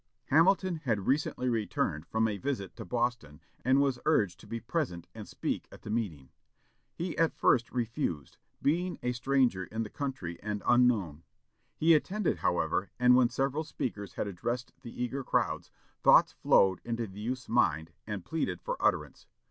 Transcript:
Hamilton had recently returned from a visit to Boston, and was urged to be present and speak at the meeting. He at first refused, being a stranger in the country and unknown. He attended, however; and when several speakers had addressed the eager crowds, thoughts flowed into the youth's mind and pleaded for utterance.